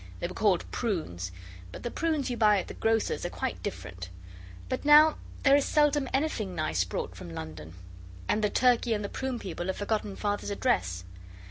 They were called prunes, but the prunes you buy at the grocer's are quite different. But now there is seldom anything nice brought from London, and the turkey and the prune people have forgotten Father's address.